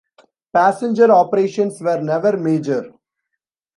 Passenger operations were never major.